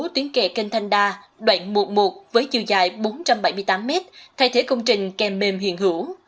tuyến kè kênh thanh đa đoạn một một với chiều dài bốn trăm bảy mươi tám m thay thế không trình kè mềm hiện hữu